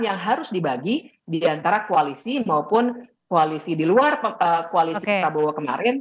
yang harus dibagi di antara koalisi maupun koalisi di luar koalisi prabowo kemarin